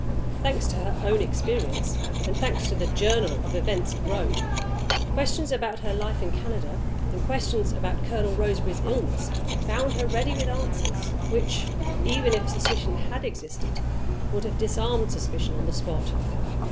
Thanks to her own experience, and thanks to the "Journal" of events at Rome, questions about her life in Canada and questions about Colonel Roseberry's illness found her ready with answers which (even if suspicion had existed) would have disarmed suspicion on the spot.